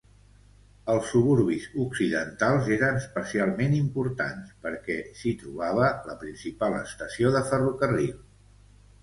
Els suburbis occidentals eren especialment importants perquè s'hi trobava la principal estació de ferrocarril.